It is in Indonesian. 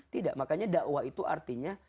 tidak makanya dakwah itu artinya